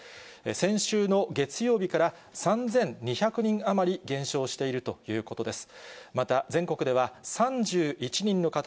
先週の月曜日から３２００人余り減少しているということです。